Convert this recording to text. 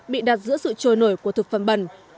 bị đặt giữa sự trôi nổi của thực phẩm bẩn